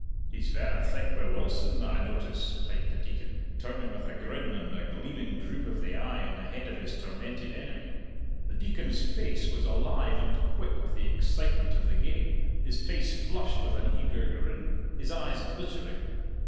"He's verra thick wi' Wilson, I notice," piped the Deacon, turning with a grin and a gleaming droop of the eye on the head of his tormented enemy. The Deacon's face was alive and quick with the excitement of the game, his face flushed with an eager grin, his eyes glittering.